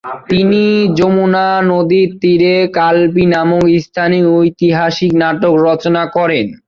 তিনি যমুনা নদীর তীরে কালপি নামক স্থানে ঐতিহাসিক নাটক রচনা করেন।